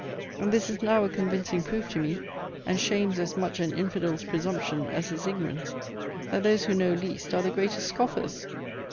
And this is now a convincing proof to me, and shames as much an infidel's presumption as his ignorance, that those who know least are the greatest scoffers.